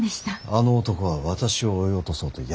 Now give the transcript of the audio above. あの男は私を追い落とそうと躍起なのだ。